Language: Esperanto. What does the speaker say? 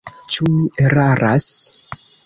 Ĉu mi eraras?